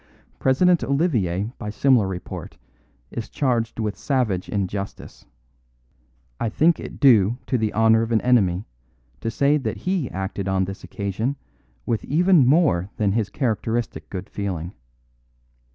President Olivier by similar report is charged with savage injustice. I think it due to the honour of an enemy to say that he acted on this occasion with even more than his characteristic good feeling.